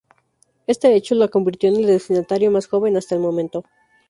Este hecho, la convirtió en el destinatario más joven hasta el momento.